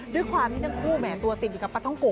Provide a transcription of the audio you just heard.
ด้วยความที่ทั้งคู่แหมตัวติดอยู่กับปลาท่องโก